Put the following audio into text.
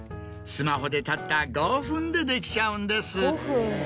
スマホでたった５分でできちゃうんです。